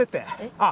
あっ！